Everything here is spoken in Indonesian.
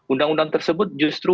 undang undang tersebut justru